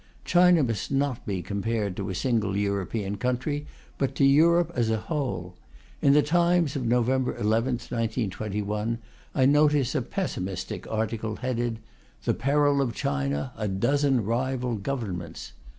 China must not be compared to a single European country, but to Europe as a whole. In The Times of November 11, 1921, I notice a pessimistic article headed: "The Peril of China. A dozen rival Governments."